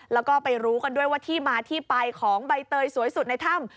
แล้วก็ไปรู้กันด้วยว่าที่มาที่ไปของใบเตยสวยสุดในถ้ำ